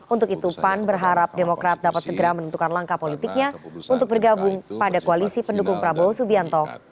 untuk itu pan berharap demokrat dapat segera menentukan langkah politiknya untuk bergabung pada koalisi pendukung prabowo subianto